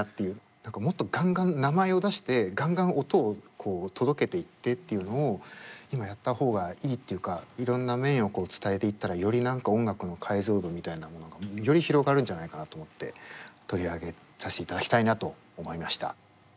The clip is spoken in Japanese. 何かもっとガンガン名前を出してガンガン音を届けていってっていうのを今やった方がいいっていうかいろんな面をこう伝えていったらより音楽の解像度みたいなものがより広がるんじゃないかなと思って取り上げさせていただきたいなと思いました。